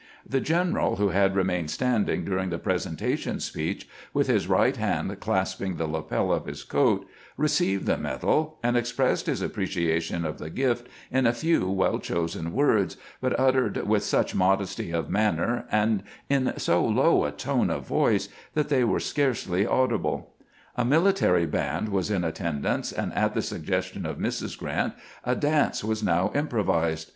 The general, who had remained standing during the presentation speech, with his right hand clasping the lapel of his coat, received the medal, and expressed his appreciation of the gift in a few well chosen words, but uttered with such modesty of manner, and in so low a tone of voice, that they were scarcely audible. A military band was in attendance, and at the suggestion of Mrs. Grant a dance was now improvised.